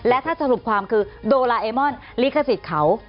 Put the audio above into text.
และถ้าสรุปความคือโดราเอมอนลิขสิทธิ์เขา